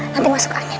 nanti masuk angin